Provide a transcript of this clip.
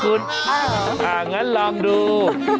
เอ้าเหรองั้นลองดู